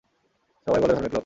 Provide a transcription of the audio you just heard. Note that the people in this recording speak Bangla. সবাই বলে ধার্মিক লোক।